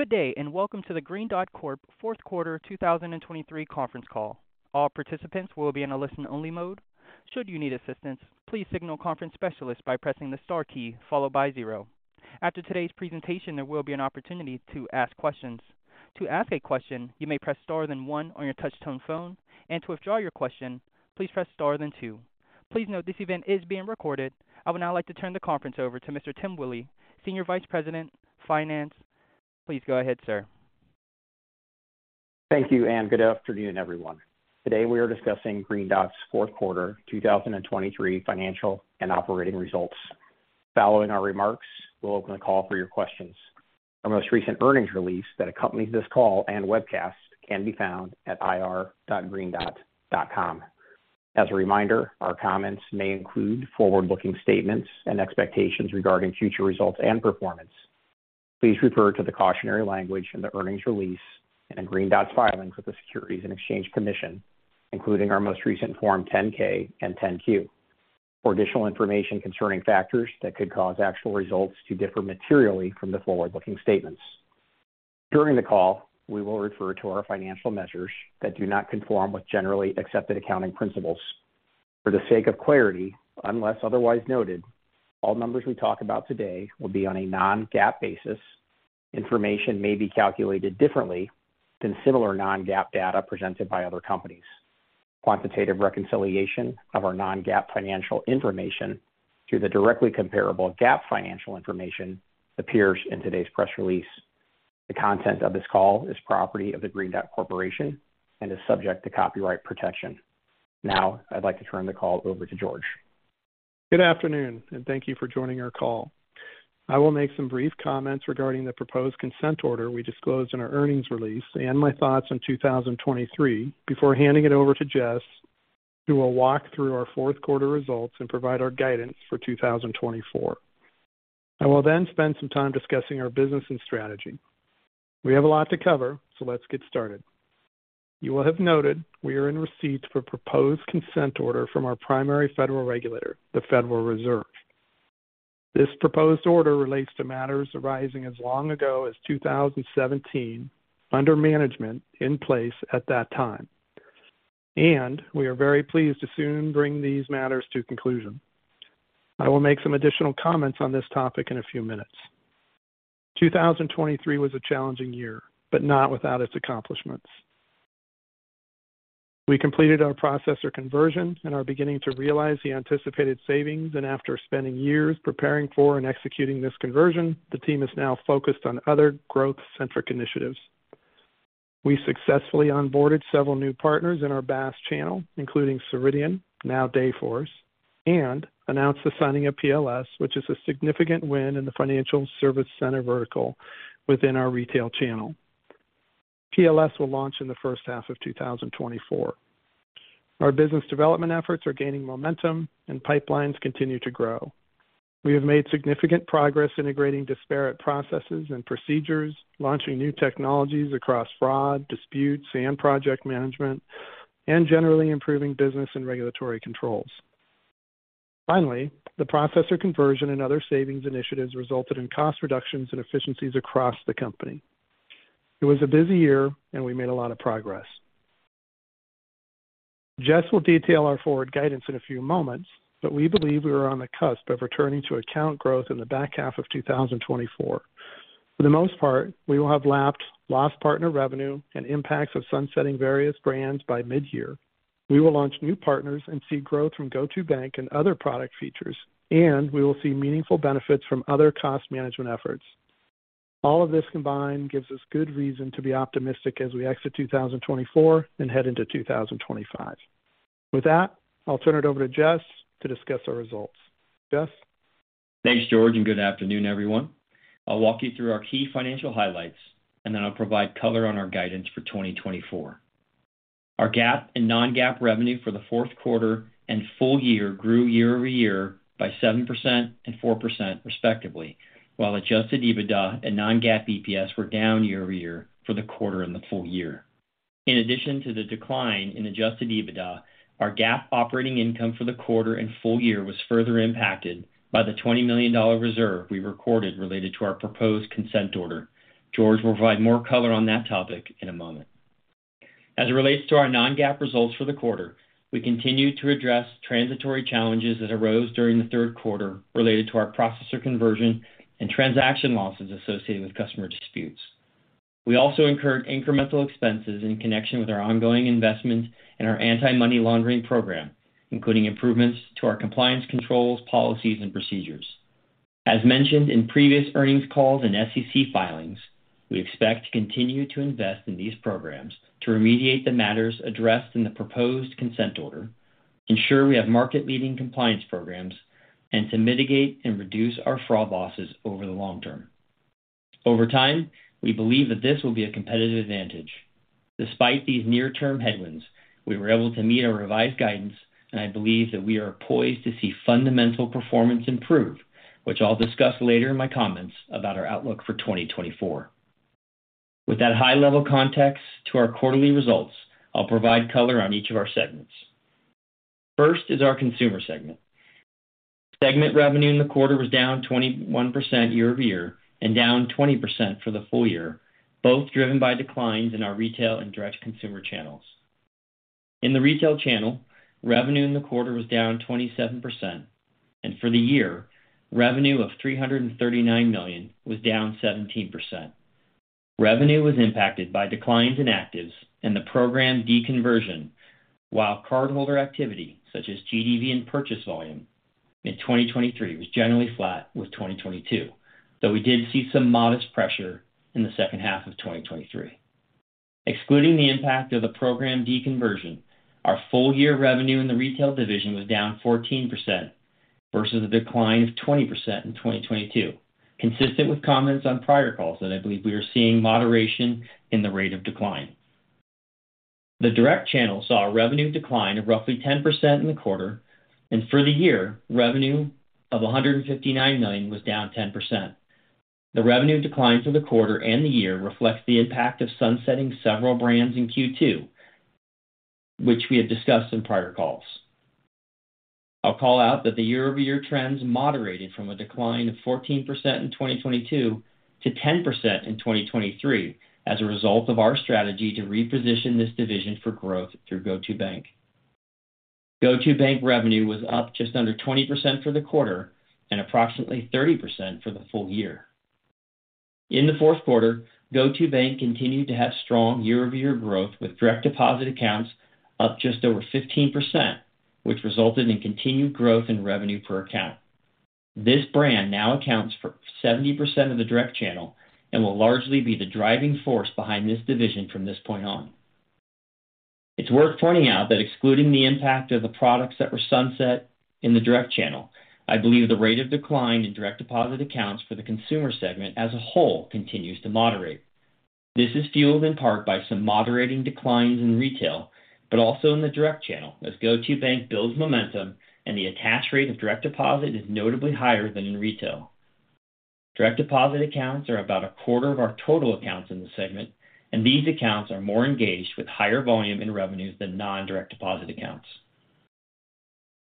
Good day and welcome to the Green Dot Corp fourth quarter 2023 conference call. All participants will be in a listen-only mode. Should you need assistance, please signal conference specialist by pressing the star key followed by zero. After today's presentation, there will be an opportunity to ask questions. To ask a question, you may press star then one on your touch-tone phone, and to withdraw your question, please press star then two. Please note, this event is being recorded. I would now like to turn the conference over to Mr. Tim Willi, Senior Vice President Finance. Please go ahead, sir. Thank you, Ann. Good afternoon, everyone. Today we are discussing Green Dot's fourth quarter 2023 financial and operating results. Following our remarks, we'll open the call for your questions. Our most recent earnings release that accompanies this call and webcast can be found at ir.greendot.com. As a reminder, our comments may include forward-looking statements and expectations regarding future results and performance. Please refer to the cautionary language in the earnings release and in Green Dot's filings with the Securities and Exchange Commission, including our most recent Form 10-K and Form 10-Q, for additional information concerning factors that could cause actual results to differ materially from the forward-looking statements. During the call, we will refer to our financial measures that do not conform with generally accepted accounting principles. For the sake of clarity, unless otherwise noted, all numbers we talk about today will be on a non-GAAP basis. Information may be calculated differently than similar non-GAAP data presented by other companies. Quantitative reconciliation of our non-GAAP financial information to the directly comparable GAAP financial information appears in today's press release. The content of this call is property of the Green Dot Corporation and is subject to copyright protection. Now I'd like to turn the call over to George. Good afternoon, and thank you for joining our call. I will make some brief comments regarding the proposed consent order we disclosed in our earnings release and my thoughts on 2023 before handing it over to Jess, who will walk through our fourth quarter results and provide our guidance for 2024. I will then spend some time discussing our business and strategy. We have a lot to cover, so let's get started. You will have noted we are in receipt of a proposed consent order from our primary federal regulator, the Federal Reserve. This proposed order relates to matters arising as long ago as 2017 under management in place at that time, and we are very pleased to soon bring these matters to conclusion. I will make some additional comments on this topic in a few minutes. 2023 was a challenging year, but not without its accomplishments. We completed our processor conversion and are beginning to realize the anticipated savings, and after spending years preparing for and executing this conversion, the team is now focused on other growth-centric initiatives. We successfully onboarded several new partners in our BaaS channel, including Ceridian, now Dayforce, and announced the signing of PLS, which is a significant win in the financial service center vertical within our retail channel. PLS will launch in the first half of 2024. Our business development efforts are gaining momentum, and pipelines continue to grow. We have made significant progress integrating disparate processes and procedures, launching new technologies across fraud, disputes, and project management, and generally improving business and regulatory controls. Finally, the processor conversion and other savings initiatives resulted in cost reductions and efficiencies across the company. It was a busy year, and we made a lot of progress. Jess will detail our forward guidance in a few moments, but we believe we are on the cusp of returning to account growth in the back half of 2024. For the most part, we will have lapped lost partner revenue and impacts of sunsetting various brands by mid-year. We will launch new partners and see growth from GO2bank and other product features, and we will see meaningful benefits from other cost management efforts. All of this combined gives us good reason to be optimistic as we exit 2024 and head into 2025. With that, I'll turn it over to Jess to discuss our results. Jess? Thanks, George, and good afternoon, everyone. I'll walk you through our key financial highlights, and then I'll provide color on our guidance for 2024. Our GAAP and non-GAAP revenue for the fourth quarter and full year grew year-over-year by 7% and 4%, respectively, while adjusted EBITDA and non-GAAP EPS were down year-over-year for the quarter and the full year. In addition to the decline in Adjusted EBITDA, our GAAP operating income for the quarter and full year was further impacted by the $20 million reserve we recorded related to our proposed consent order. George will provide more color on that topic in a moment. As it relates to our non-GAAP results for the quarter, we continue to address transitory challenges that arose during the third quarter related to our processor conversion and transaction losses associated with customer disputes. We also incurred incremental expenses in connection with our ongoing investments in our anti-money laundering program, including improvements to our compliance controls, policies, and procedures. As mentioned in previous earnings calls and SEC filings, we expect to continue to invest in these programs to remediate the matters addressed in the proposed consent order, ensure we have market-leading compliance programs, and to mitigate and reduce our fraud losses over the long term. Over time, we believe that this will be a competitive advantage. Despite these near-term headwinds, we were able to meet our revised guidance, and I believe that we are poised to see fundamental performance improve, which I'll discuss later in my comments about our outlook for 2024. With that high-level context to our quarterly results, I'll provide color on each of our segments. First is our consumer segment. Segment revenue in the quarter was down 21% year-over-year and down 20% for the full year, both driven by declines in our retail and direct consumer channels. In the retail channel, revenue in the quarter was down 27%, and for the year, revenue of $339 million was down 17%. Revenue was impacted by declines in actives and the program deconversion, while cardholder activity such as GDV and purchase volume in 2023 was generally flat with 2022, though we did see some modest pressure in the second half of 2023. Excluding the impact of the program deconversion, our full-year revenue in the retail division was down 14% versus a decline of 20% in 2022, consistent with comments on prior calls that I believe we were seeing moderation in the rate of decline. The direct channel saw a revenue decline of roughly 10% in the quarter, and for the year, revenue of $159 million was down 10%. The revenue decline for the quarter and the year reflects the impact of sunsetting several brands in Q2, which we have discussed in prior calls. I'll call out that the year-over-year trends moderated from a decline of 14% in 2022 to 10% in 2023 as a result of our strategy to reposition this division for growth through GO2bank. GO2bank revenue was up just under 20% for the quarter and approximately 30% for the full year. In the fourth quarter, GO2bank continued to have strong year-over-year growth with direct deposit accounts up just over 15%, which resulted in continued growth in revenue per account. This brand now accounts for 70% of the direct channel and will largely be the driving force behind this division from this point on. It's worth pointing out that excluding the impact of the products that were sunset in the direct channel, I believe the rate of decline in direct deposit accounts for the consumer segment as a whole continues to moderate. This is fueled in part by some moderating declines in retail, but also in the direct channel as GO2bank builds momentum and the attach rate of direct deposit is notably higher than in retail. Direct deposit accounts are about a quarter of our total accounts in the segment, and these accounts are more engaged with higher volume in revenues than non-direct deposit accounts.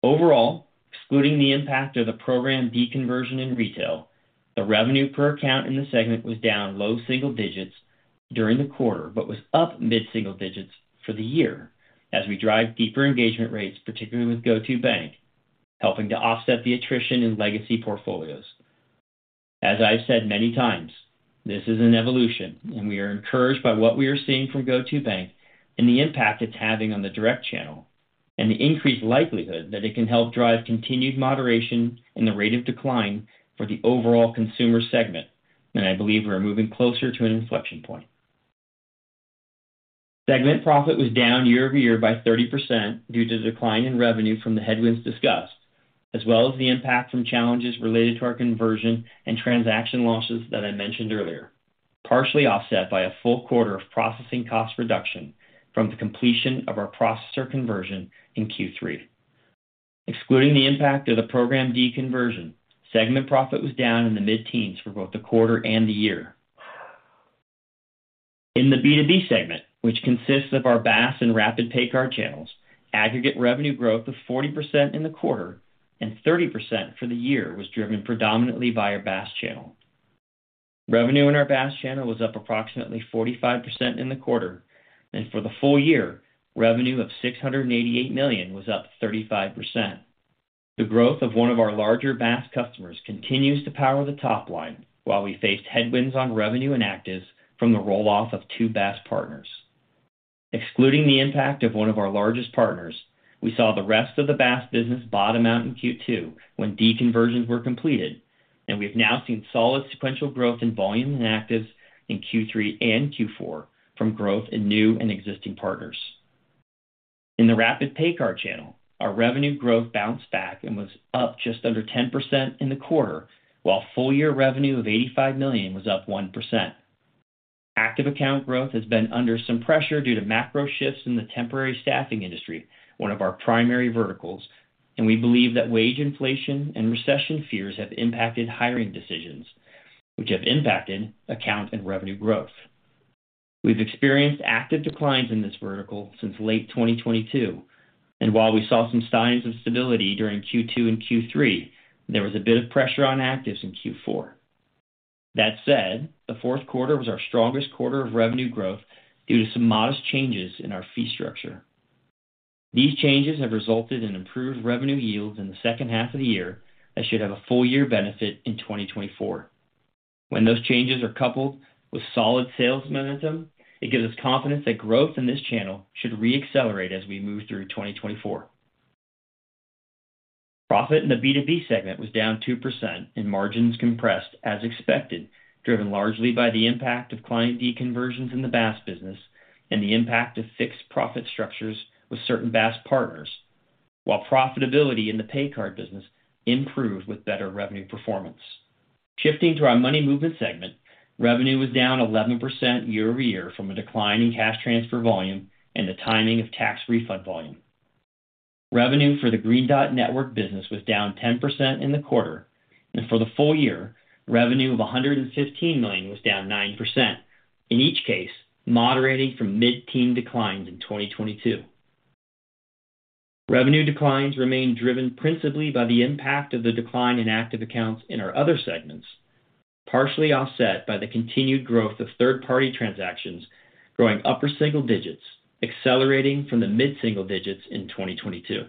Overall, excluding the impact of the program deconversion in retail, the revenue per account in the segment was down low single digits during the quarter but was up mid-single digits for the year as we drive deeper engagement rates, particularly with GO2bank, helping to offset the attrition in legacy portfolios. As I've said many times, this is an evolution, and we are encouraged by what we are seeing from GO2bank and the impact it's having on the direct channel and the increased likelihood that it can help drive continued moderation in the rate of decline for the overall consumer segment, and I believe we're moving closer to an inflection point. Segment profit was down year-over-year by 30% due to the decline in revenue from the headwinds discussed, as well as the impact from challenges related to our conversion and transaction losses that I mentioned earlier, partially offset by a full quarter of processing cost reduction from the completion of our processor conversion in Q3. Excluding the impact of the program deconversion, segment profit was down in the mid-teens for both the quarter and the year. In the B2B segment, which consists of our BaaS and rapid! PayCard channels, aggregate revenue growth of 40% in the quarter and 30% for the year was driven predominantly by our BaaS channel. Revenue in our BaaS channel was up approximately 45% in the quarter, and for the full year, revenue of $688 million was up 35%. The growth of one of our larger BaaS customers continues to power the top line while we faced headwinds on revenue and actives from the rolloff of two BaaS partners. Excluding the impact of one of our largest partners, we saw the rest of the BaaS business bottom out in Q2 when deconversions were completed, and we have now seen solid sequential growth in volume and actives in Q3 and Q4 from growth in new and existing partners. In the rapid! PayCard channel, our revenue growth bounced back and was up just under 10% in the quarter, while full-year revenue of $85 million was up 1%. Active account growth has been under some pressure due to macro shifts in the temporary staffing industry, one of our primary verticals, and we believe that wage inflation and recession fears have impacted hiring decisions, which have impacted account and revenue growth. We've experienced active declines in this vertical since late 2022, and while we saw some signs of stability during Q2 and Q3, there was a bit of pressure on actives in Q4. That said, the fourth quarter was our strongest quarter of revenue growth due to some modest changes in our fee structure. These changes have resulted in improved revenue yields in the second half of the year that should have a full-year benefit in 2024. When those changes are coupled with solid sales momentum, it gives us confidence that growth in this channel should reaccelerate as we move through 2024. Profit in the B2B segment was down 2% and margins compressed as expected, driven largely by the impact of client deconversions in the BaaS business and the impact of fixed profit structures with certain BaaS partners, while profitability in the pay card business improved with better revenue performance. Shifting to our money movement segment, revenue was down 11% year-over-year from a decline in cash transfer volume and the timing of tax refund volume. Revenue for the Green Dot Network business was down 10% in the quarter, and for the full year, revenue of $115 million was down 9%, in each case moderating from mid-teen declines in 2022. Revenue declines remain driven principally by the impact of the decline in active accounts in our other segments, partially offset by the continued growth of third-party transactions growing upper single digits, accelerating from the mid-single digits in 2022.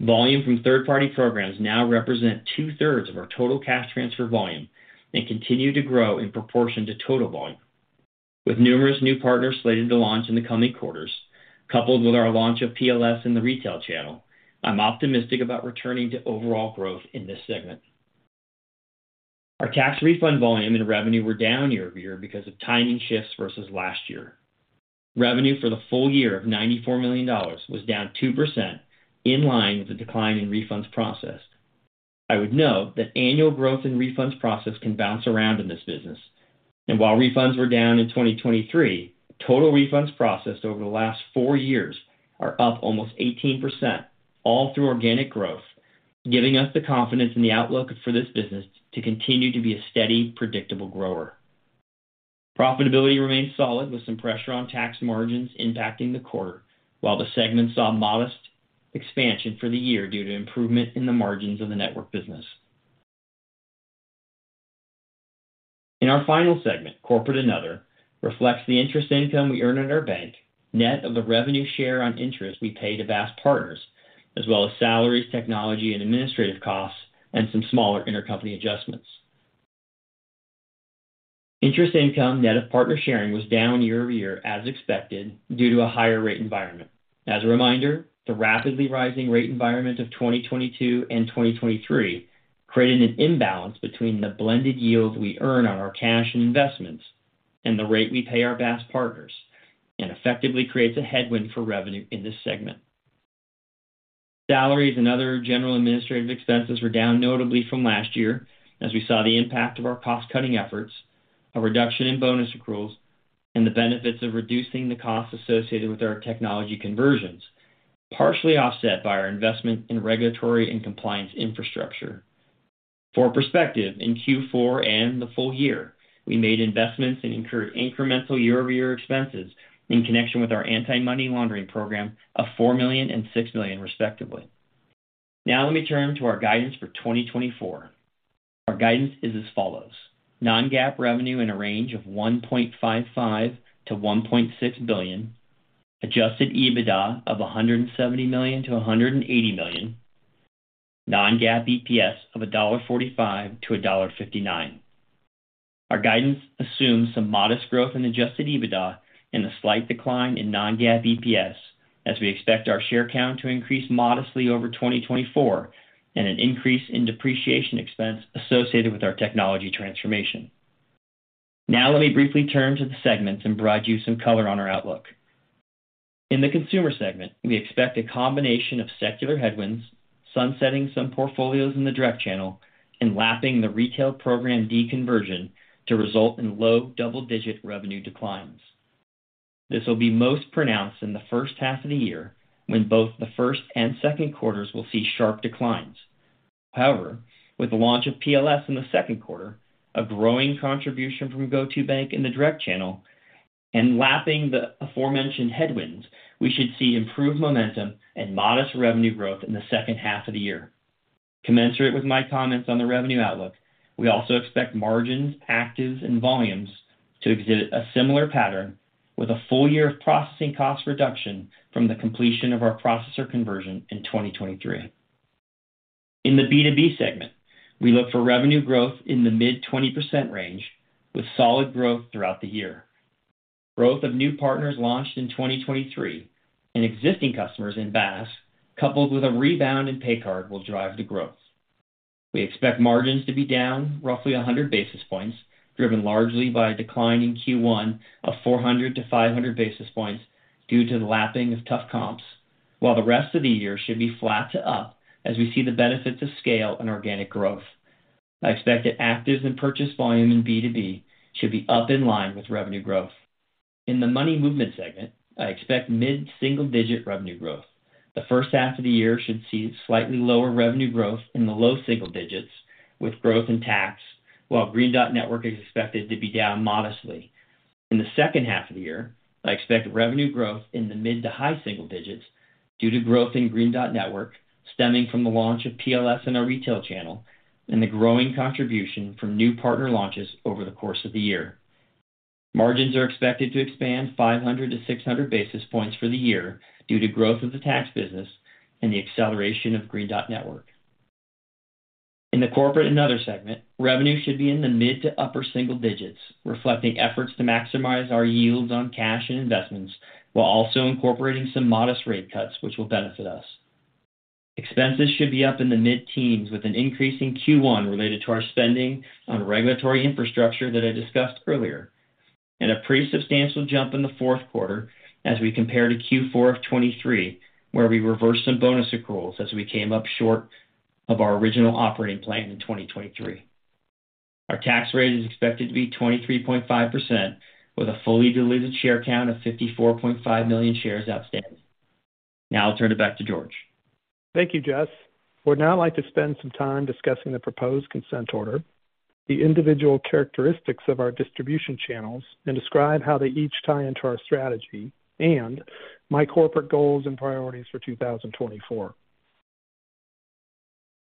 Volume from third-party programs now represent two-thirds of our total cash transfer volume and continue to grow in proportion to total volume. With numerous new partners slated to launch in the coming quarters, coupled with our launch of PLS in the retail channel, I'm optimistic about returning to overall growth in this segment. Our tax refund volume and revenue were down year-over-year because of timing shifts versus last year. Revenue for the full year of $94 million was down 2% in line with the decline in refunds processed. I would note that annual growth in refunds processed can bounce around in this business, and while refunds were down in 2023, total refunds processed over the last four years are up almost 18% all through organic growth, giving us the confidence in the outlook for this business to continue to be a steady, predictable grower. Profitability remains solid with some pressure on tax margins impacting the quarter, while the segment saw modest expansion for the year due to improvement in the margins of the network business. In our final segment, Corporate and Other, reflects the interest income we earn at our bank net of the revenue share on interest we paid to BaaS partners, as well as salaries, technology, and administrative costs, and some smaller intercompany adjustments. Interest income net of partner sharing was down year-over-year as expected due to a higher rate environment. As a reminder, the rapidly rising rate environment of 2022 and 2023 created an imbalance between the blended yield we earn on our cash and investments and the rate we pay our BaaS partners and effectively creates a headwind for revenue in this segment. Salaries and other general administrative expenses were down notably from last year as we saw the impact of our cost-cutting efforts, a reduction in bonus accruals, and the benefits of reducing the costs associated with our technology conversions, partially offset by our investment in regulatory and compliance infrastructure. For perspective, in Q4 and the full year, we made investments and incurred incremental year-over-year expenses in connection with our anti-money laundering program of $4 million and $6 million, respectively. Now let me turn to our guidance for 2024. Our guidance is as follows: non-GAAP revenue in a range of $1.55-$1.6 billion, Adjusted EBITDA of $170-$180 million, non-GAAP EPS of $1.45-$1.59. Our guidance assumes some modest growth in Adjusted EBITDA and a slight decline in non-GAAP EPS as we expect our share count to increase modestly over 2024 and an increase in depreciation expense associated with our technology transformation. Now let me briefly turn to the segments and provide you some color on our outlook. In the consumer segment, we expect a combination of secular headwinds sunsetting some portfolios in the direct channel and lapping the retail program deconversion to result in low double-digit revenue declines. This will be most pronounced in the first half of the year when both the first and second quarters will see sharp declines. However, with the launch of PLS in the second quarter, a growing contribution from GO2bank in the direct channel, and lapping the aforementioned headwinds, we should see improved momentum and modest revenue growth in the second half of the year. Commensurate with my comments on the revenue outlook, we also expect margins, actives, and volumes to exhibit a similar pattern with a full year of processing cost reduction from the completion of our processor conversion in 2023. In the B2B segment, we look for revenue growth in the mid-20% range with solid growth throughout the year. Growth of new partners launched in 2023 and existing customers in BaaS, coupled with a rebound in pay card, will drive the growth. We expect margins to be down roughly 100 basis points, driven largely by a decline in Q1 of 400-500 basis points due to the lapping of tough comps, while the rest of the year should be flat to up as we see the benefits of scale and organic growth. I expect that actives and purchase volume in B2B should be up in line with revenue growth. In the money movement segment, I expect mid-single digit revenue growth. The first half of the year should see slightly lower revenue growth in the low single digits with growth in tax, while Green Dot Network is expected to be down modestly. In the second half of the year, I expect revenue growth in the mid to high single digits due to growth in Green Dot Network stemming from the launch of PLS in our retail channel and the growing contribution from new partner launches over the course of the year. Margins are expected to expand 500-600 basis points for the year due to growth of the tax business and the acceleration of Green Dot Network. In the Corporate and Other segment, revenue should be in the mid- to upper single digits, reflecting efforts to maximize our yields on cash and investments while also incorporating some modest rate cuts, which will benefit us. Expenses should be up in the mid-teens with an increase in Q1 related to our spending on regulatory infrastructure that I discussed earlier and a pretty substantial jump in the fourth quarter as we compare to Q4 of 2023, where we reversed some bonus accruals as we came up short of our original operating plan in 2023. Our tax rate is expected to be 23.5% with a fully diluted share count of 54.5 million shares outstanding. Now I'll turn it back to George. Thank you, Jess. We'd now like to spend some time discussing the proposed consent order, the individual characteristics of our distribution channels, and describe how they each tie into our strategy and my corporate goals and priorities for 2024.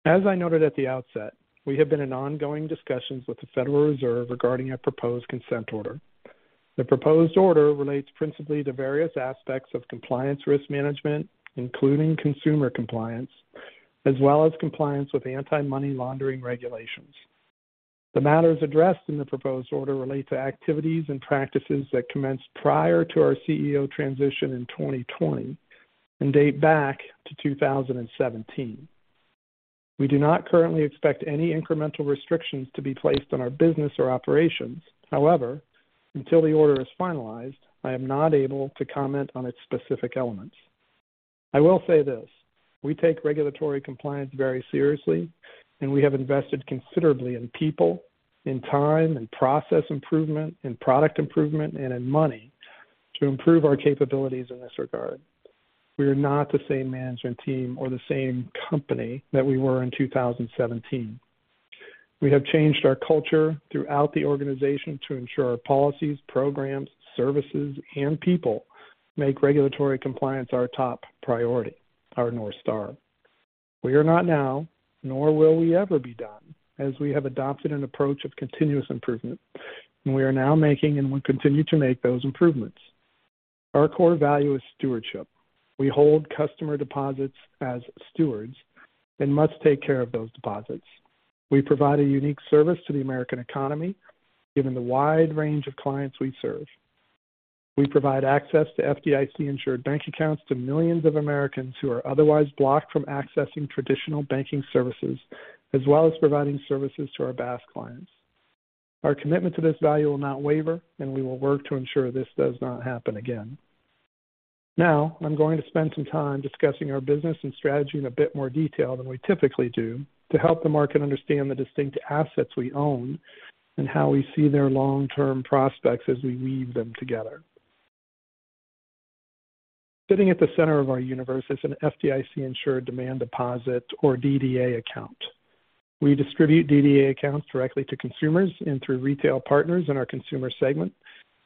As I noted at the outset, we have been in ongoing discussions with the Federal Reserve regarding our proposed consent order. The proposed order relates principally to various aspects of compliance risk management, including consumer compliance, as well as compliance with anti-money laundering regulations. The matters addressed in the proposed order relate to activities and practices that commenced prior to our CEO transition in 2020 and date back to 2017. We do not currently expect any incremental restrictions to be placed on our business or operations. However, until the order is finalized, I am not able to comment on its specific elements. I will say this: we take regulatory compliance very seriously, and we have invested considerably in people, in time, in process improvement, in product improvement, and in money to improve our capabilities in this regard. We are not the same management team or the same company that we were in 2017. We have changed our culture throughout the organization to ensure our policies, programs, services, and people make regulatory compliance our top priority, our North Star. We are not now, nor will we ever be done, as we have adopted an approach of continuous improvement, and we are now making and will continue to make those improvements. Our core value is stewardship. We hold customer deposits as stewards and must take care of those deposits. We provide a unique service to the American economy given the wide range of clients we serve. We provide access to FDIC-insured bank accounts to millions of Americans who are otherwise blocked from accessing traditional banking services, as well as providing services to our BaaS clients. Our commitment to this value will not waver, and we will work to ensure this does not happen again. Now I'm going to spend some time discussing our business and strategy in a bit more detail than we typically do to help the market understand the distinct assets we own and how we see their long-term prospects as we weave them together. Sitting at the center of our universe is an FDIC-insured demand deposit, or DDA account. We distribute DDA accounts directly to consumers and through retail partners in our consumer segment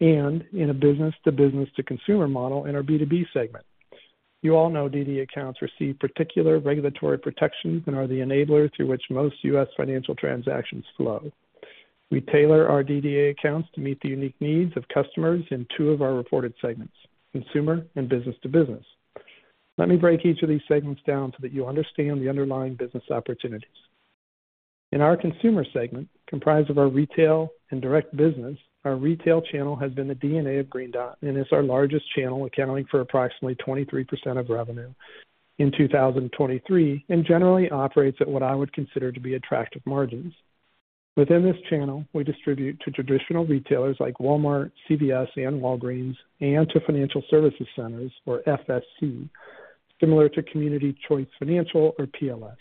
and in a business-to-business-to-consumer model in our B2B segment. You all know DDA accounts receive particular regulatory protections and are the enabler through which most U.S. financial transactions flow. We tailor our DDA accounts to meet the unique needs of customers in two of our reported segments, consumer and business-to-business. Let me break each of these segments down so that you understand the underlying business opportunities. In our consumer segment, comprised of our retail and direct business, our retail channel has been the DNA of Green Dot and is our largest channel, accounting for approximately 23% of revenue in 2023, and generally operates at what I would consider to be attractive margins. Within this channel, we distribute to traditional retailers like Walmart, CVS, and Walgreens, and to Financial Services Centers or FSC, similar to Community Choice Financial, or PLS.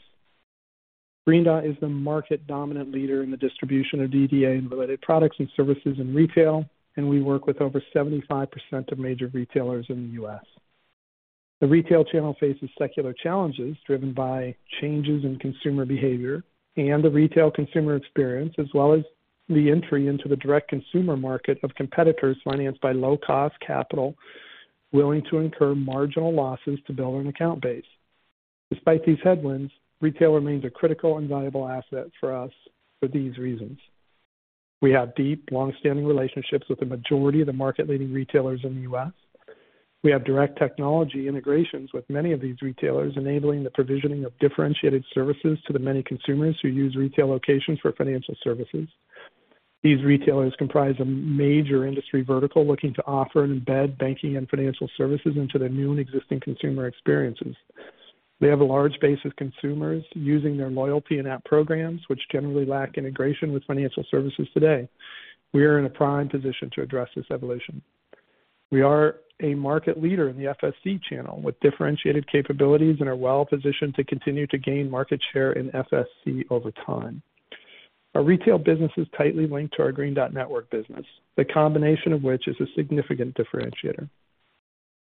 Green Dot is the market-dominant leader in the distribution of DDA and related products and services in retail, and we work with over 75% of major retailers in the U.S. The retail channel faces secular challenges driven by changes in consumer behavior and the retail consumer experience, as well as the entry into the direct consumer market of competitors financed by low-cost capital willing to incur marginal losses to build an account base. Despite these headwinds, retail remains a critical and valuable asset for us for these reasons. We have deep, longstanding relationships with the majority of the market-leading retailers in the U.S. We have direct technology integrations with many of these retailers, enabling the provisioning of differentiated services to the many consumers who use retail locations for financial services. These retailers comprise a major industry vertical looking to offer and embed banking and financial services into their new and existing consumer experiences. They have a large base of consumers using their loyalty and app programs, which generally lack integration with financial services today. We are in a prime position to address this evolution. We are a market leader in the FSC channel with differentiated capabilities and are well positioned to continue to gain market share in FSC over time. Our retail business is tightly linked to our Green Dot Network business, the combination of which is a significant differentiator.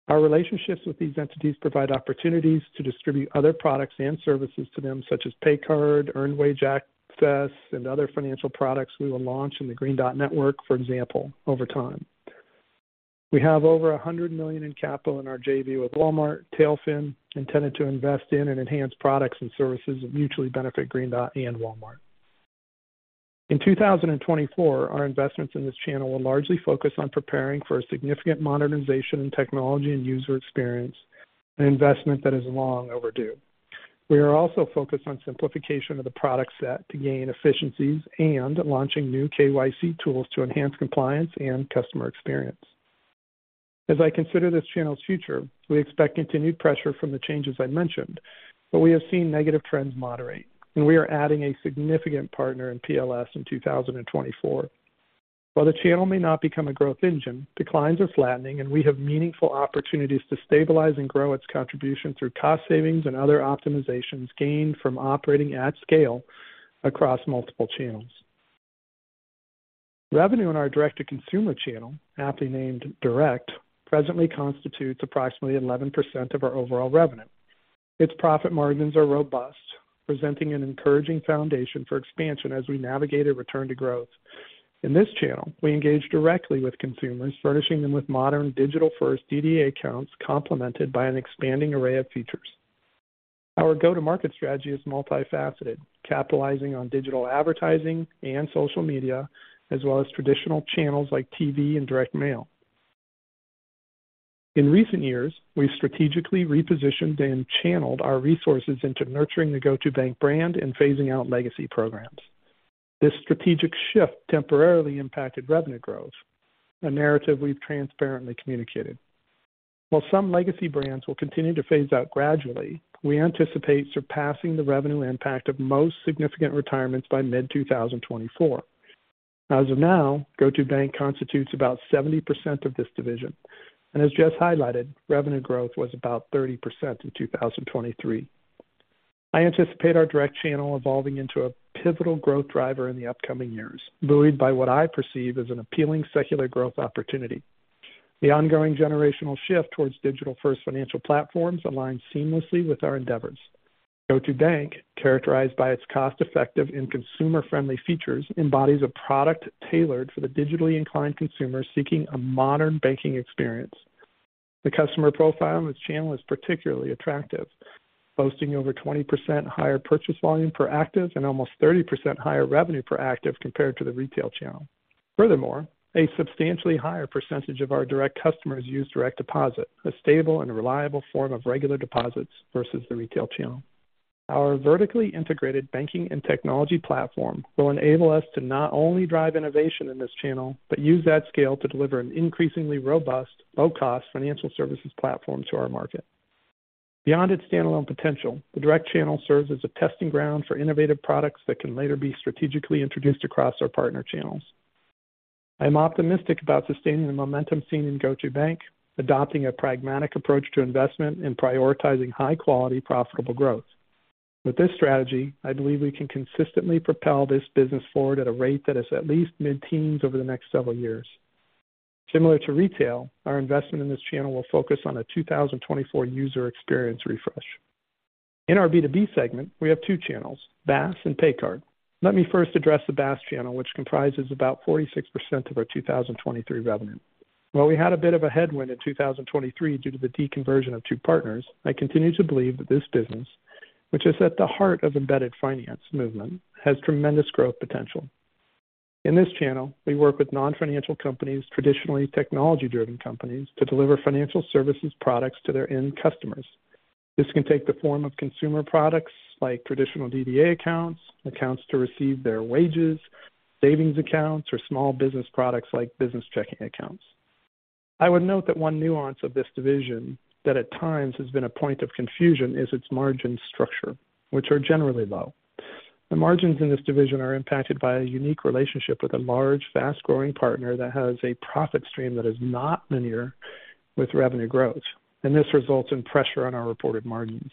Our relationships with these entities provide opportunities to distribute other products and services to them, such as pay card, earned wage access, and other financial products we will launch in the Green Dot Network, for example, over time. We have over $100 million in capital in our JV with Walmart, TailFin, intended to invest in and enhance products and services that mutually benefit Green Dot and Walmart. In 2024, our investments in this channel will largely focus on preparing for a significant modernization in technology and user experience, an investment that is long overdue. We are also focused on simplification of the product set to gain efficiencies and launching new KYC tools to enhance compliance and customer experience. As I consider this channel's future, we expect continued pressure from the changes I mentioned, but we have seen negative trends moderate, and we are adding a significant partner in PLS in 2024. While the channel may not become a growth engine, declines are flattening, and we have meaningful opportunities to stabilize and grow its contribution through cost savings and other optimizations gained from operating at scale across multiple channels. Revenue in our direct-to-consumer channel, aptly named direct, presently constitutes approximately 11% of our overall revenue. Its profit margins are robust, presenting an encouraging foundation for expansion as we navigate a return to growth. In this channel, we engage directly with consumers, furnishing them with modern, digital-first DDA accounts complemented by an expanding array of features. Our go-to-market strategy is multifaceted, capitalizing on digital advertising and social media, as well as traditional channels like TV and direct mail. In recent years, we've strategically repositioned and channeled our resources into nurturing the GO2bank brand and phasing out legacy programs. This strategic shift temporarily impacted revenue growth, a narrative we've transparently communicated. While some legacy brands will continue to phase out gradually, we anticipate surpassing the revenue impact of most significant retirements by mid-2024. As of now, GO2bank constitutes about 70% of this division, and as Jess highlighted, revenue growth was about 30% in 2023. I anticipate our direct channel evolving into a pivotal growth driver in the upcoming years, buoyed by what I perceive as an appealing secular growth opportunity. The ongoing generational shift towards digital-first financial platforms aligns seamlessly with our endeavors. GO2bank, characterized by its cost-effective and consumer-friendly features, embodies a product tailored for the digitally inclined consumer seeking a modern banking experience. The customer profile in this channel is particularly attractive, boasting over 20% higher purchase volume per active and almost 30% higher revenue per active compared to the retail channel. Furthermore, a substantially higher percentage of our direct customers use direct deposit, a stable and reliable form of regular deposits versus the retail channel. Our vertically integrated banking and technology platform will enable us to not only drive innovation in this channel but use that scale to deliver an increasingly robust, low-cost financial services platform to our market. Beyond its standalone potential, the direct channel serves as a testing ground for innovative products that can later be strategically introduced across our partner channels. I am optimistic about sustaining the momentum seen in GO2bank, adopting a pragmatic approach to investment, and prioritizing high-quality, profitable growth. With this strategy, I believe we can consistently propel this business forward at a rate that is at least mid-teens over the next several years. Similar to retail, our investment in this channel will focus on a 2024 user experience refresh. In our B2B segment, we have two channels, BaaS and pay card. Let me first address the BaaS channel, which comprises about 46% of our 2023 revenue. While we had a bit of a headwind in 2023 due to the deconversion of two partners, I continue to believe that this business, which is at the heart of embedded finance movement, has tremendous growth potential. In this channel, we work with non-financial companies, traditionally technology-driven companies, to deliver financial services products to their end customers. This can take the form of consumer products like traditional DDA accounts, accounts to receive their wages, savings accounts, or small business products like business checking accounts. I would note that one nuance of this division that at times has been a point of confusion is its margin structure, which are generally low. The margins in this division are impacted by a unique relationship with a large, fast-growing partner that has a profit stream that is not linear with revenue growth, and this results in pressure on our reported margins.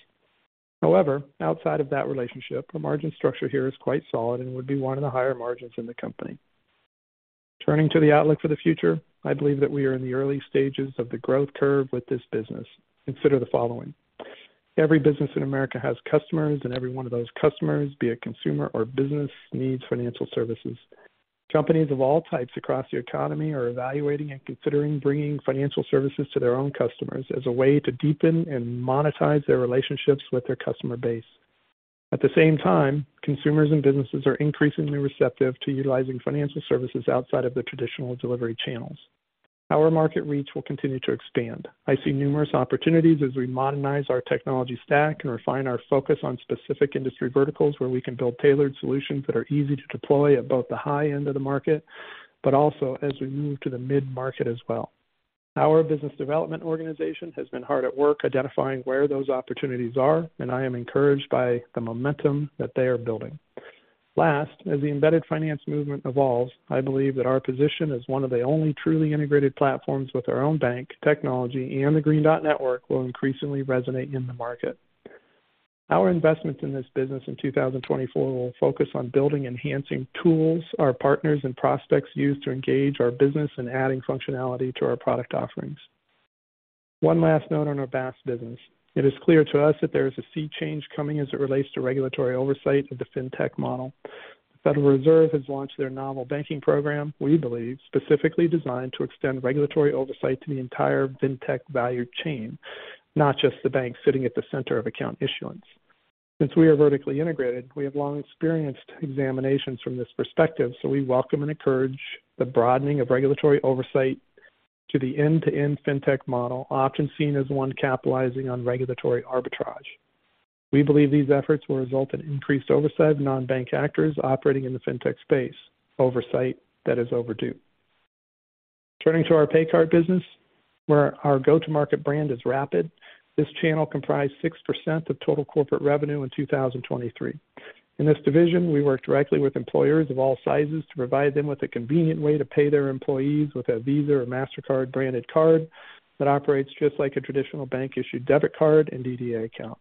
However, outside of that relationship, our margin structure here is quite solid and would be one of the higher margins in the company. Turning to the outlook for the future, I believe that we are in the early stages of the growth curve with this business. Consider the following: every business in America has customers, and every one of those customers, be it consumer or business, needs financial services. Companies of all types across the economy are evaluating and considering bringing financial services to their own customers as a way to deepen and monetize their relationships with their customer base. At the same time, consumers and businesses are increasingly receptive to utilizing financial services outside of the traditional delivery channels. Our market reach will continue to expand. I see numerous opportunities as we modernize our technology stack and refine our focus on specific industry verticals where we can build tailored solutions that are easy to deploy at both the high end of the market but also as we move to the mid-market as well. Our business development organization has been hard at work identifying where those opportunities are, and I am encouraged by the momentum that they are building. Last, as the embedded finance movement evolves, I believe that our position as one of the only truly integrated platforms with our own bank, technology, and the Green Dot Network will increasingly resonate in the market. Our investments in this business in 2024 will focus on building enhancing tools our partners and prospects use to engage our business and adding functionality to our product offerings. One last note on our BaaS business: it is clear to us that there is a sea change coming as it relates to regulatory oversight of the fintech model. The Federal Reserve has launched their novel banking program, we believe, specifically designed to extend regulatory oversight to the entire fintech value chain, not just the bank sitting at the center of account issuance. Since we are vertically integrated, we have long experienced examinations from this perspective, so we welcome and encourage the broadening of regulatory oversight to the end-to-end fintech model, often seen as one capitalizing on regulatory arbitrage. We believe these efforts will result in increased oversight of non-bank actors operating in the fintech space, oversight that is overdue. Turning to our pay card business, where our go-to-market brand is rapid!, this channel comprised 6% of total corporate revenue in 2023. In this division, we work directly with employers of all sizes to provide them with a convenient way to pay their employees with a Visa or Mastercard branded card that operates just like a traditional bank-issued debit card and DDA account.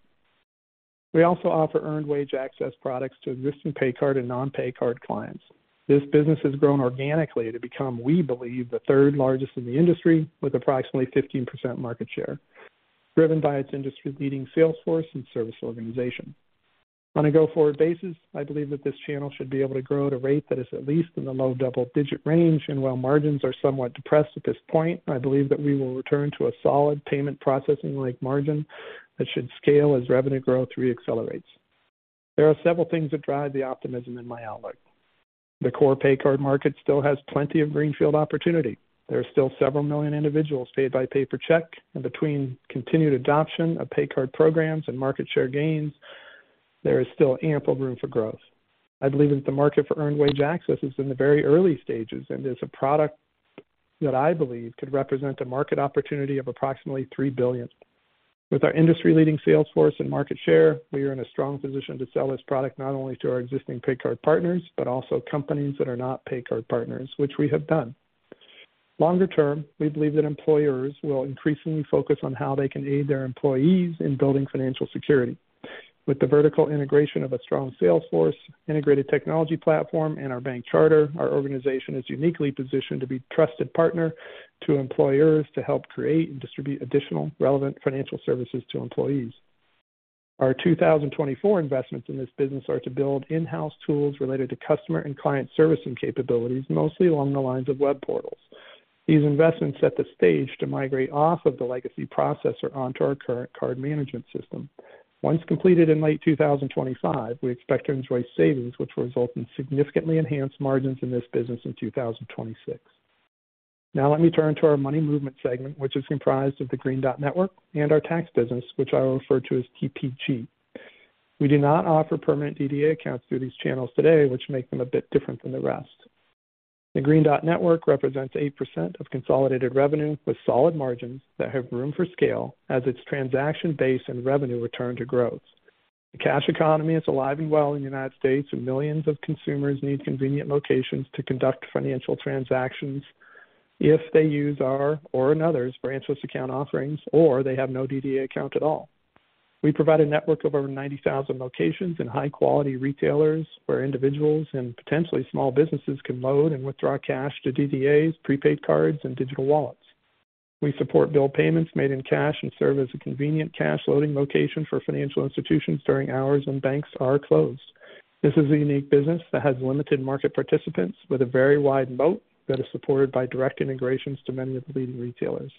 We also offer earned wage access products to existing pay card and non-pay card clients. This business has grown organically to become, we believe, the third largest in the industry with approximately 15% market share, driven by its industry-leading salesforce and service organization. On a go-forward basis, I believe that this channel should be able to grow at a rate that is at least in the low double-digit range, and while margins are somewhat depressed at this point, I believe that we will return to a solid payment processing-like margin that should scale as revenue growth reaccelerates. There are several things that drive the optimism in my outlook. The core Pay Card market still has plenty of greenfield opportunity. There are still several million individuals paid by paper check, and between continued adoption of Pay Card programs and market share gains, there is still ample room for growth. I believe that the market for Earned Wage Access is in the very early stages and is a product that I believe could represent a market opportunity of approximately $3 billion. With our industry-leading salesforce and market share, we are in a strong position to sell this product not only to our existing Pay Card partners but also companies that are not Pay Card partners, which we have done. Longer term, we believe that employers will increasingly focus on how they can aid their employees in building financial security. With the vertical integration of a strong salesforce, integrated technology platform, and our bank charter, our organization is uniquely positioned to be a trusted partner to employers to help create and distribute additional relevant financial services to employees. Our 2024 investments in this business are to build in-house tools related to customer and client servicing capabilities, mostly along the lines of web portals. These investments set the stage to migrate off of the legacy processor onto our current card management system. Once completed in late 2025, we expect to enjoy savings, which will result in significantly enhanced margins in this business in 2026. Now, let me turn to our money movement segment, which is comprised of the Green Dot Network and our tax business, which I will refer to as TPG. We do not offer permanent DDA accounts through these channels today, which make them a bit different than the rest. The Green Dot Network represents 8% of consolidated revenue with solid margins that have room for scale as its transaction base and revenue return to growth. The cash economy is alive and well in the United States, and millions of consumers need convenient locations to conduct financial transactions if they use our or another's branchless account offerings or they have no DDA account at all. We provide a network of over 90,000 locations and high-quality retailers where individuals and potentially small businesses can load and withdraw cash to DDAs, prepaid cards, and digital wallets. We support bill payments made in cash and serve as a convenient cash-loading location for financial institutions during hours when banks are closed. This is a unique business that has limited market participants with a very wide moat that is supported by direct integrations to many of the leading retailers.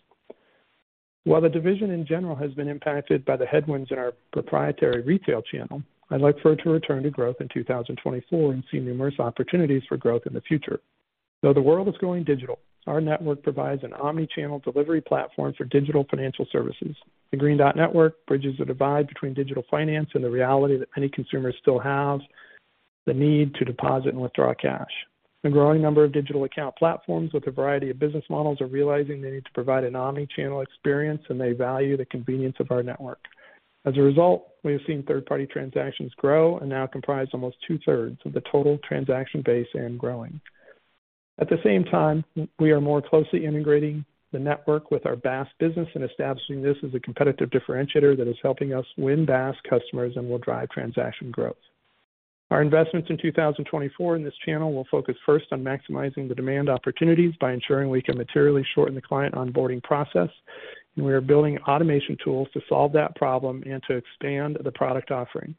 While the division in general has been impacted by the headwinds in our proprietary retail channel, I'd like for it to return to growth in 2024 and see numerous opportunities for growth in the future. Though the world is going digital, our network provides an omnichannel delivery platform for digital financial services. The Green Dot Network bridges the divide between digital finance and the reality that many consumers still have the need to deposit and withdraw cash. A growing number of digital account platforms with a variety of business models are realizing they need to provide an omnichannel experience, and they value the convenience of our network. As a result, we have seen third-party transactions grow and now comprise almost two-thirds of the total transaction base and growing. At the same time, we are more closely integrating the network with our BaaS business and establishing this as a competitive differentiator that is helping us win BaaS customers and will drive transaction growth. Our investments in 2024 in this channel will focus first on maximizing the demand opportunities by ensuring we can materially shorten the client onboarding process, and we are building automation tools to solve that problem and to expand the product offering,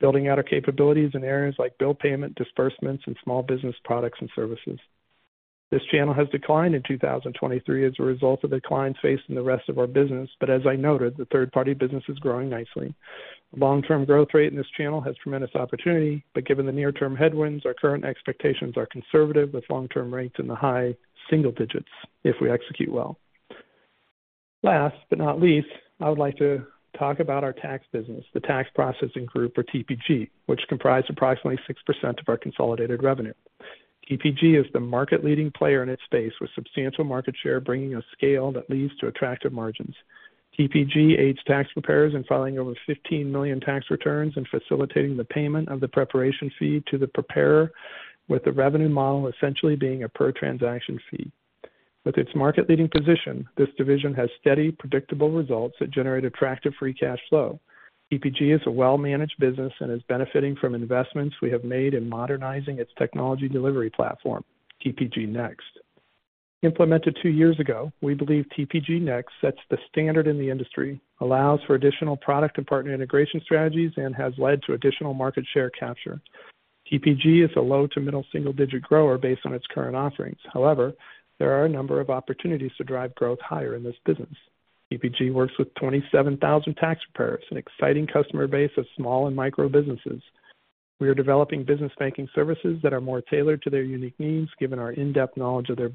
building out our capabilities in areas like bill payment, disbursements, and small business products and services. This channel has declined in 2023 as a result of the declines faced in the rest of our business, but as I noted, the third-party business is growing nicely. The long-term growth rate in this channel has tremendous opportunity, but given the near-term headwinds, our current expectations are conservative with long-term rates in the high single digits if we execute well. Last but not least, I would like to talk about our tax business, the Tax Processing Group or TPG, which comprises approximately 6% of our consolidated revenue. TPG is the market-leading player in its space with substantial market share, bringing a scale that leads to attractive margins. TPG aids tax preparers in filing over 15 million tax returns and facilitating the payment of the preparation fee to the preparer, with the revenue model essentially being a per-transaction fee. With its market-leading position, this division has steady, predictable results that generate attractive free cash flow. TPG is a well-managed business and is benefiting from investments we have made in modernizing its technology delivery platform, TPG NEXT. Implemented two years ago, we believe TPG NEXT sets the standard in the industry, allows for additional product and partner integration strategies, and has led to additional market share capture. TPG is a low to middle single-digit grower based on its current offerings. However, there are a number of opportunities to drive growth higher in this business. TPG works with 27,000 tax preparers, an exciting customer base of small and micro businesses. We are developing business banking services that are more tailored to their unique needs given our in-depth knowledge of their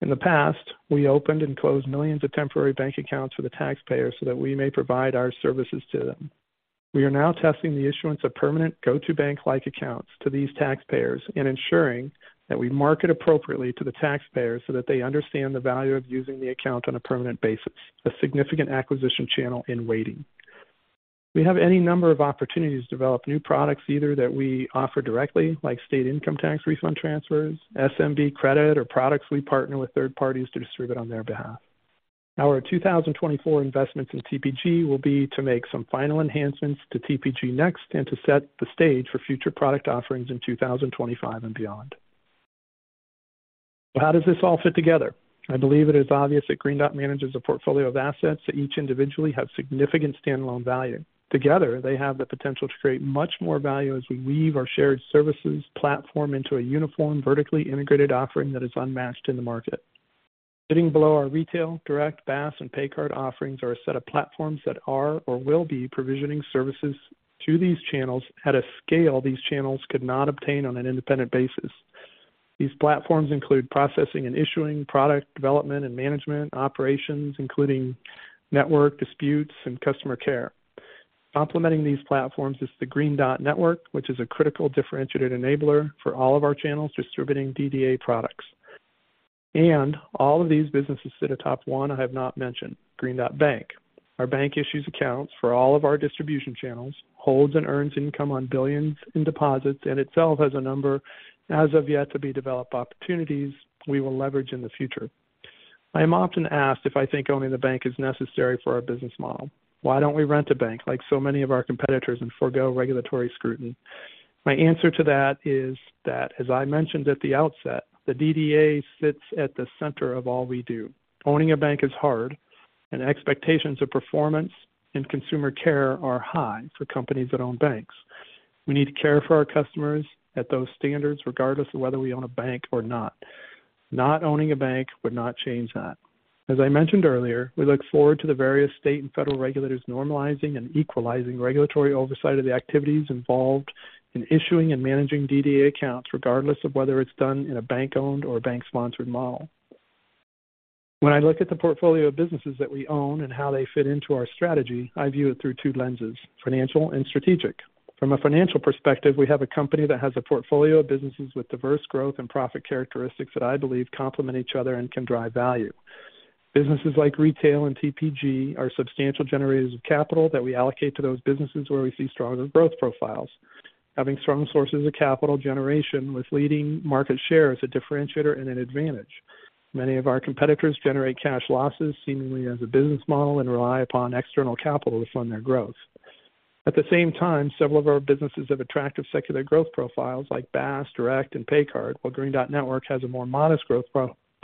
business. In the past, we opened and closed millions of temporary bank accounts for the taxpayers so that we may provide our services to them. We are now testing the issuance of permanent GO2bank-like accounts to these taxpayers and ensuring that we market appropriately to the taxpayers so that they understand the value of using the account on a permanent basis, a significant acquisition channel in waiting. We have any number of opportunities to develop new products either that we offer directly, like state income tax refund transfers, SMB credit, or products we partner with third parties to distribute on their behalf. Our 2024 investments in TPG will be to make some final enhancements to TPG NEXT and to set the stage for future product offerings in 2025 and beyond. So how does this all fit together? I believe it is obvious that Green Dot manages a portfolio of assets that each individually has significant standalone value. Together, they have the potential to create much more value as we weave our shared services platform into a uniform, vertically integrated offering that is unmatched in the market. Sitting below our retail, direct, BaaS, and Pay Card offerings are a set of platforms that are or will be provisioning services to these channels at a scale these channels could not obtain on an independent basis. These platforms include processing and issuing, product development and management, operations, including network disputes, and customer care. Complementing these platforms is the Green Dot Network, which is a critical differentiated enabler for all of our channels distributing DDA products. All of these businesses sit at top one I have not mentioned: Green Dot Bank. Our bank issues accounts for all of our distribution channels, holds and earns income on billions in deposits, and itself has a number as of yet to be developed opportunities we will leverage in the future. I am often asked if I think owning the bank is necessary for our business model. Why don't we rent a bank like so many of our competitors and forgo regulatory scrutiny? My answer to that is that, as I mentioned at the outset, the DDA sits at the center of all we do. Owning a bank is hard, and expectations of performance and consumer care are high for companies that own banks. We need to care for our customers at those standards regardless of whether we own a bank or not. Not owning a bank would not change that. As I mentioned earlier, we look forward to the various state and federal regulators normalizing and equalizing regulatory oversight of the activities involved in issuing and managing DDA accounts regardless of whether it's done in a bank-owned or a bank-sponsored model. When I look at the portfolio of businesses that we own and how they fit into our strategy, I view it through two lenses: financial and strategic. From a financial perspective, we have a company that has a portfolio of businesses with diverse growth and profit characteristics that I believe complement each other and can drive value. Businesses like retail and TPG are substantial generators of capital that we allocate to those businesses where we see stronger growth profiles. Having strong sources of capital generation with leading market share is a differentiator and an advantage. Many of our competitors generate cash losses seemingly as a business model and rely upon external capital to fund their growth. At the same time, several of our businesses have attractive secular growth profiles like BaaS, direct, and Pay Card, while Green Dot Network has a more modest growth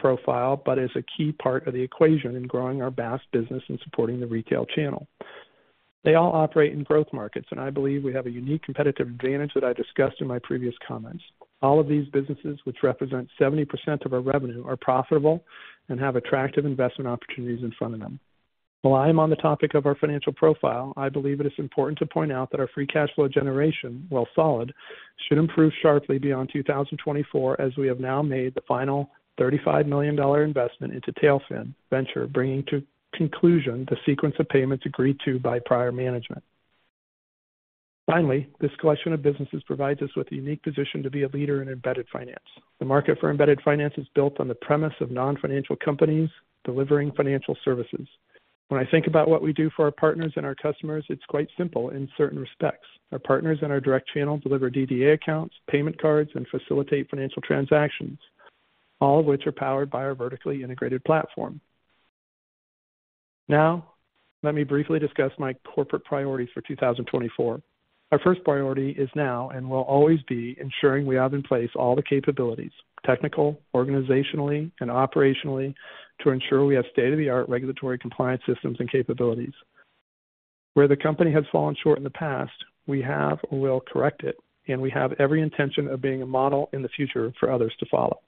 profile but is a key part of the equation in growing our BaaS business and supporting the retail channel. They all operate in growth markets, and I believe we have a unique competitive advantage that I discussed in my previous comments. All of these businesses, which represent 70% of our revenue, are profitable and have attractive investment opportunities in front of them. While I am on the topic of our financial profile, I believe it is important to point out that our free cash flow generation, while solid, should improve sharply beyond 2024 as we have now made the final $35 million investment into TailFin, bringing to conclusion the sequence of payments agreed to by prior management. Finally, this collection of businesses provides us with a unique position to be a leader in embedded finance. The market for embedded finance is built on the premise of non-financial companies delivering financial services. When I think about what we do for our partners and our customers, it's quite simple in certain respects. Our partners and our direct channel deliver DDA accounts, payment cards, and facilitate financial transactions, all of which are powered by our vertically integrated platform. Now, let me briefly discuss my corporate priorities for 2024. Our first priority is now and will always be ensuring we have in place all the capabilities, technical, organizationally, and operationally, to ensure we have state-of-the-art regulatory compliance systems and capabilities. Where the company has fallen short in the past, we have or will correct it, and we have every intention of being a model in the future for others to follow.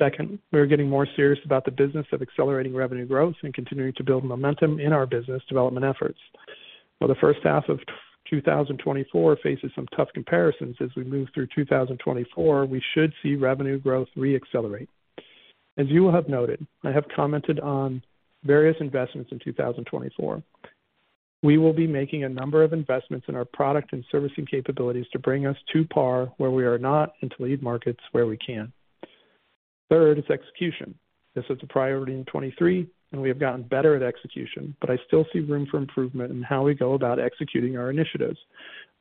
Second, we are getting more serious about the business of accelerating revenue growth and continuing to build momentum in our business development efforts. While the first half of 2024 faces some tough comparisons as we move through 2024, we should see revenue growth reaccelerate. As you will have noted, I have commented on various investments in 2024. We will be making a number of investments in our product and servicing capabilities to bring us to par where we are not and to lead markets where we can. Third is execution. This is a priority in 2023, and we have gotten better at execution, but I still see room for improvement in how we go about executing our initiatives,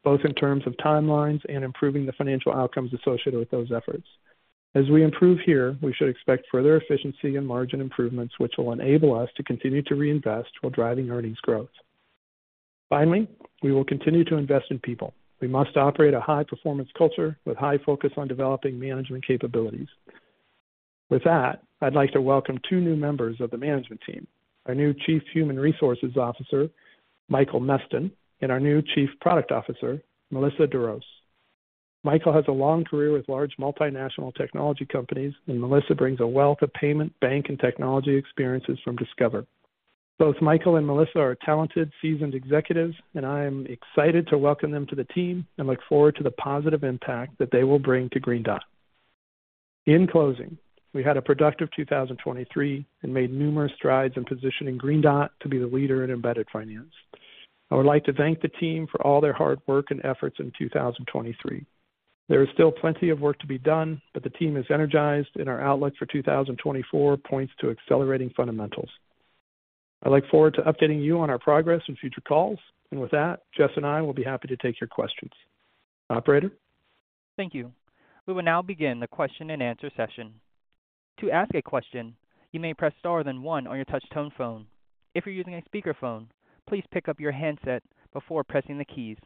both in terms of timelines and improving the financial outcomes associated with those efforts. As we improve here, we should expect further efficiency and margin improvements, which will enable us to continue to reinvest while driving earnings growth. Finally, we will continue to invest in people. We must operate a high-performance culture with high focus on developing management capabilities. With that, I'd like to welcome two new members of the management team: our new Chief Human Resources Officer, Michael Meston, and our new Chief Product Officer, Melissa Douros. Michael has a long career with large multinational technology companies, and Melissa brings a wealth of payment, bank, and technology experiences from Discover. Both Michael and Melissa are talented, seasoned executives, and I am excited to welcome them to the team and look forward to the positive impact that they will bring to Green Dot. In closing, we had a productive 2023 and made numerous strides in positioning Green Dot to be the leader in embedded finance. I would like to thank the team for all their hard work and efforts in 2023. There is still plenty of work to be done, but the team is energized, and our outlook for 2024 points to accelerating fundamentals. I look forward to updating you on our progress and future calls, and with that, Jess and I will be happy to take your questions. Operator? Thank you. We will now begin the question-and-answer session. To ask a question, you may press star then one on your touch tone phone. If you're using a speakerphone, please pick up your handset before pressing the keys.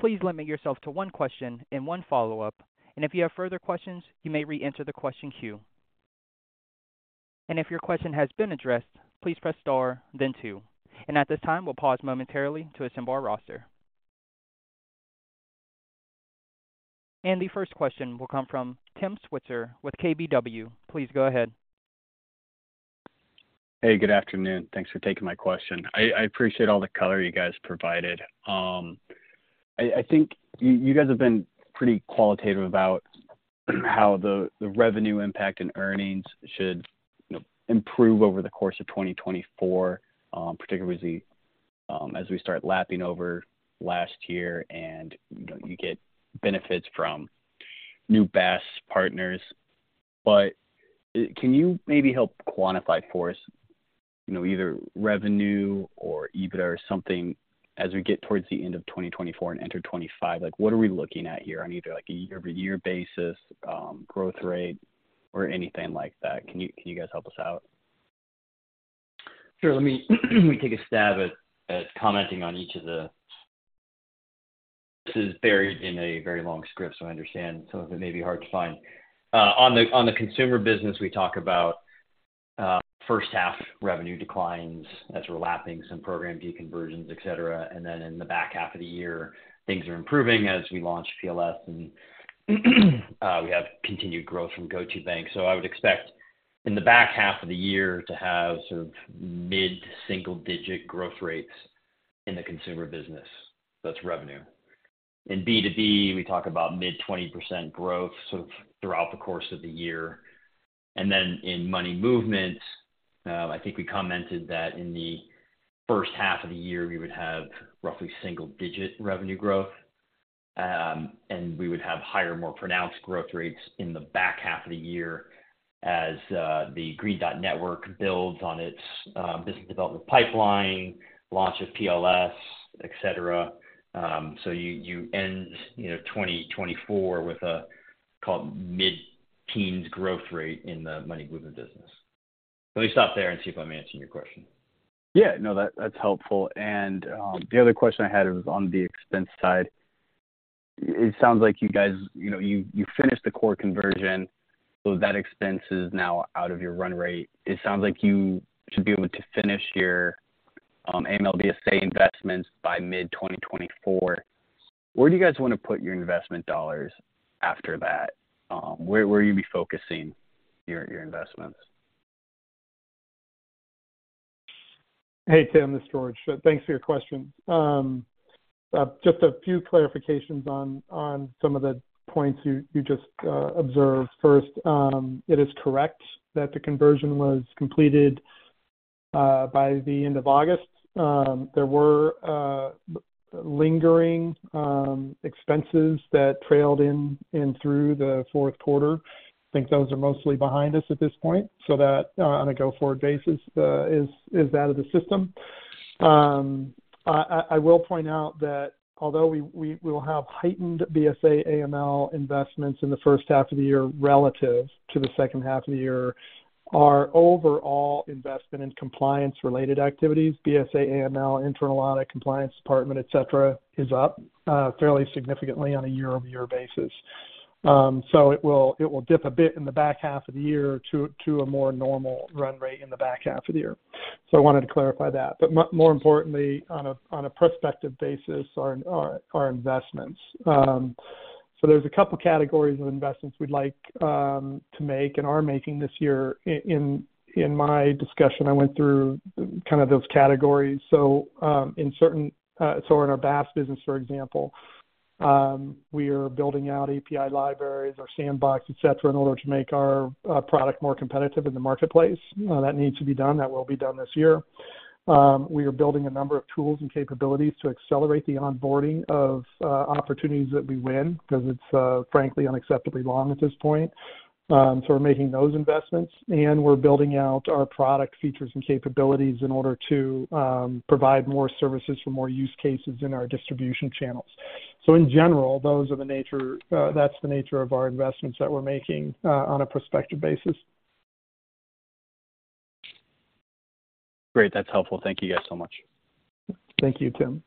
Please limit yourself to one question and one follow-up, and if you have further questions, you may re-enter the question queue. If your question has been addressed, please press star, then two. At this time, we'll pause momentarily to assemble our roster. The first question will come from Tim Switzer with KBW. Please go ahead. Hey, good afternoon. Thanks for taking my question. I appreciate all the color you guys provided. I think you guys have been pretty qualitative about how the revenue impact and earnings should improve over the course of 2024, particularly as we start lapping over last year and you get benefits from new BaaS partners. But can you maybe help quantify for us either revenue or EBITDA or something as we get towards the end of 2024 and enter 2025? What are we looking at here on either a year-over-year basis, growth rate, or anything like that? Can you guys help us out? Sure. Let me take a stab at commenting on each of these. This is buried in a very long script, so I understand some of it may be hard to find. On the consumer business, we talk about first-half revenue declines as we're lapping some program deconversions, etc. And then in the back half of the year, things are improving as we launch PLS, and we have continued growth from GO2bank. So I would expect in the back half of the year to have sort of mid-single-digit growth rates in the consumer business. That's revenue. In B2B, we talk about mid-20% growth sort of throughout the course of the year. Then in money movements, I think we commented that in the first half of the year, we would have roughly single-digit revenue growth, and we would have higher, more pronounced growth rates in the back half of the year as the Green Dot Network builds on its business development pipeline, launch of PLS, etc. So you end 2024 with a mid-teens growth rate in the money movement business. Let me stop there and see if I'm answering your question. Yeah. No, that's helpful. The other question I had was on the expense side. It sounds like you guys finished the core conversion, so that expense is now out of your run rate. It sounds like you should be able to finish your AML/BSA investments by mid-2024. Where do you guys want to put your investment dollars after that? Where are you going to be focusing your investments? Hey, Tim. This is George Gresham. Thanks for your question. Just a few clarifications on some of the points you just observed. First, it is correct that the conversion was completed by the end of August. There were lingering expenses that trailed in through the fourth quarter. I think those are mostly behind us at this point. So that, on a go-forward basis, is out of the system. I will point out that although we will have heightened BSA AML investments in the first half of the year relative to the second half of the year, our overall investment in compliance-related activities, BSA AML, Internal Audit, Compliance Department, etc., is up fairly significantly on a year-over-year basis. So it will dip a bit in the back half of the year to a more normal run rate in the back half of the year. So I wanted to clarify that. But more importantly, on a prospective basis, our investments. So there's a couple of categories of investments we'd like to make and are making this year. In my discussion, I went through kind of those categories. So in our BaaS business, for example, we are building out API libraries or sandboxes, etc., in order to make our product more competitive in the marketplace. That needs to be done. That will be done this year. We are building a number of tools and capabilities to accelerate the onboarding of opportunities that we win because it's, frankly, unacceptably long at this point. So we're making those investments, and we're building out our product features and capabilities in order to provide more services for more use cases in our distribution channels. So in general, that's the nature of our investments that we're making on a prospective basis. Great. That's helpful. Thank you guys so much. Thank you, Tim.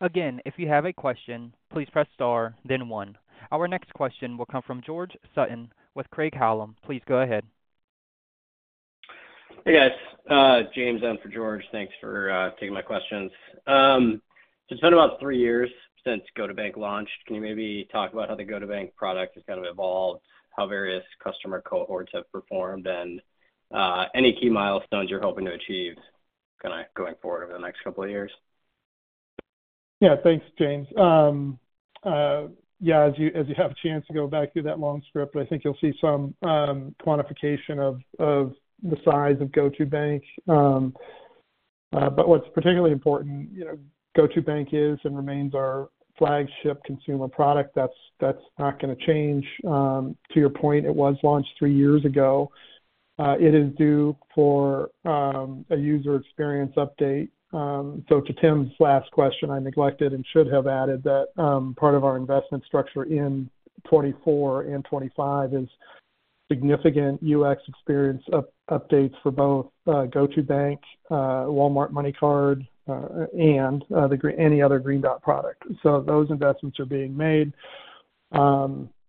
Again, if you have a question, please press star, then one. Our next question will come from George Sutton with Craig-Hallum. Please go ahead. Hey, guys. James in for George. Thanks for taking my questions. It's been about three years since GO2bank launched. Can you maybe talk about how the GO2bank product has kind of evolved, how various customer cohorts have performed, and any key milestones you're hoping to achieve kind of going forward over the next couple of years? Yeah. Thanks, James. Yeah, as you have a chance to go back through that long script, I think you'll see some quantification of the size of GO2bank. But what's particularly important, GO2bank is and remains our flagship consumer product. That's not going to change. To your point, it was launched three years ago. It is due for a user experience update. So to Tim's last question, I neglected and should have added that part of our investment structure in 2024 and 2025 is significant UX experience updates for both GO2bank, Walmart MoneyCard, and any other Green Dot product. So those investments are being made.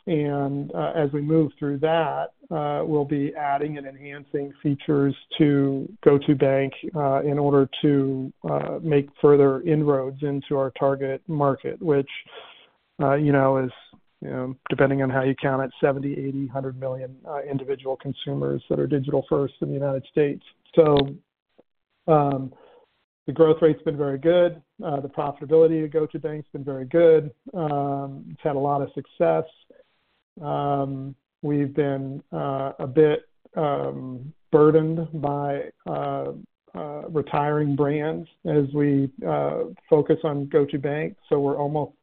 And as we move through that, we'll be adding and enhancing features to GO2bank in order to make further inroads into our target market, which is, depending on how you count it, 70, 80, 100 million individual consumers that are digital-first in the United States. The growth rate's been very good. The profitability of GO2bank's been very good. It's had a lot of success. We've been a bit burdened by retiring brands as we focus on GO2bank. So we're almost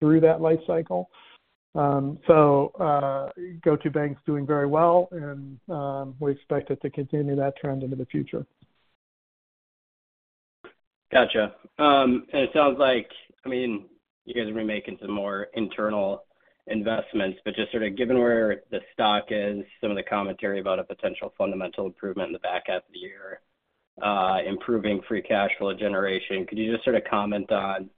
through that life cycle. So GO2bank's doing very well, and we expect it to continue that trend into the future. Gotcha. And it sounds like, I mean, you guys are going to be making some more internal investments. But just sort of given where the stock is, some of the commentary about a potential fundamental improvement in the back half of the year, improving free cash flow generation, could you just sort of comment on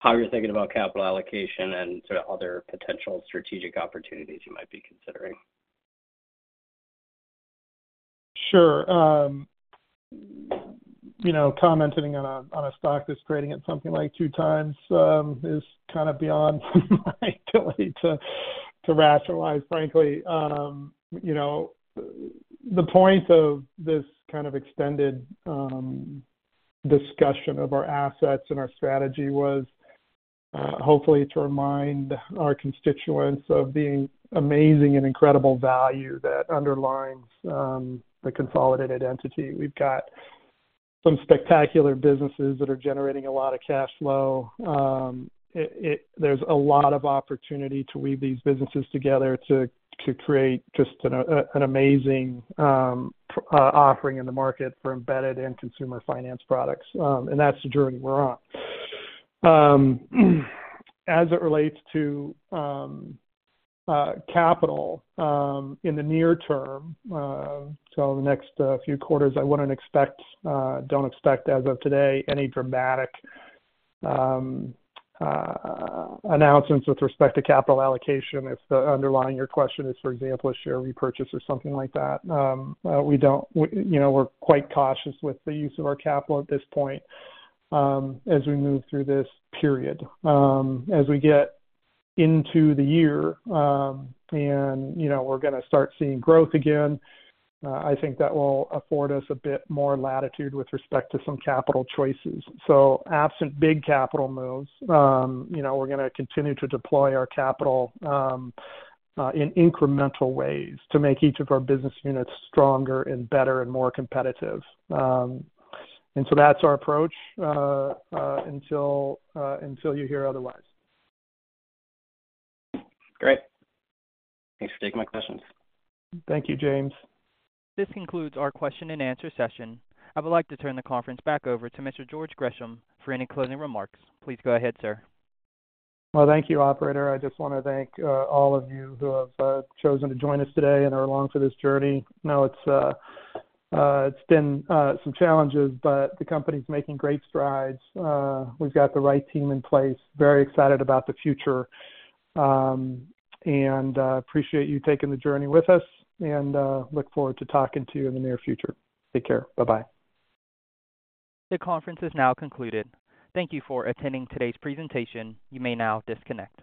how you're thinking about capital allocation and sort of other potential strategic opportunities you might be considering? Sure. Commenting on a stock that's trading at something like 2x is kind of beyond my ability to rationalize, frankly. The point of this kind of extended discussion of our assets and our strategy was hopefully to remind our constituents of the amazing and incredible value that underlines the consolidated entity. We've got some spectacular businesses that are generating a lot of cash flow. There's a lot of opportunity to weave these businesses together to create just an amazing offering in the market for embedded and consumer finance products. And that's the journey we're on. As it relates to capital in the near term, so in the next few quarters, I don't expect, as of today, any dramatic announcements with respect to capital allocation if the underlying your question is, for example, a share repurchase or something like that. We're quite cautious with the use of our capital at this point as we move through this period. As we get into the year and we're going to start seeing growth again, I think that will afford us a bit more latitude with respect to some capital choices. So absent big capital moves, we're going to continue to deploy our capital in incremental ways to make each of our business units stronger and better and more competitive. That's our approach until you hear otherwise. Great. Thanks for taking my questions. Thank you, James. This concludes our question-and-answer session. I would like to turn the conference back over to Mr. George Gresham for any closing remarks. Please go ahead, sir. Well, thank you, Operator. I just want to thank all of you who have chosen to join us today and are along for this journey. I know it's been some challenges, but the company's making great strides. We've got the right team in place, very excited about the future, and appreciate you taking the journey with us. Look forward to talking to you in the near future. Take care. Bye-bye. The conference is now concluded. Thank you for attending today's presentation. You may now disconnect.